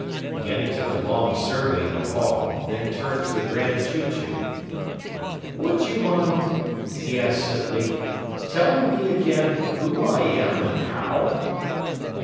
Again he took a long survey of the hall, then turned to the Grand Chew Chew. "Would you mind," he asked simply, "telling me again who I am and how?"